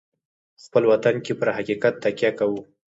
په خپل وطن کې پر حقیقت تکیه کوو.